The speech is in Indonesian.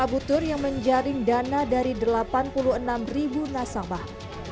abu tur yang menjaring dana dari delapan puluh enam ribu nasabah